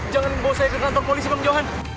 jangan bos saya ke kantor polisi bang johan